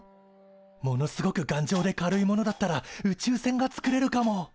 ものすごく頑丈で軽いものだったら宇宙船がつくれるかも。